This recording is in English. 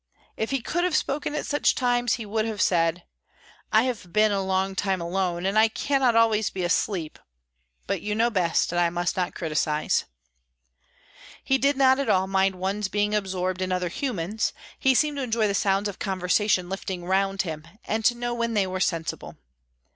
If he could have spoken at such times, he would have said: "I have been a long time alone, and I cannot always be asleep; but you know best, and I must not criticise." He did not at all mind one's being absorbed in other humans; he seemed to enjoy the sounds of conversation lifting round him, and to know when they were sensible.